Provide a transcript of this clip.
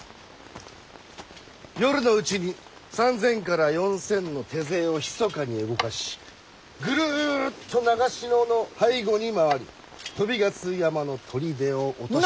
夜のうちに３，０００から４，０００の手勢をひそかに動かしぐるっと長篠の背後に回り鳶ヶ巣山の砦を落とし。